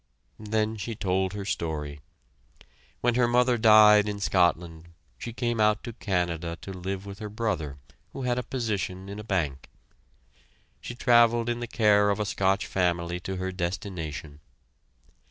Then she told her story. When her mother died in Scotland, she came out to Canada to live with her brother who had a position in a bank. She traveled in the care of a Scotch family to her destination.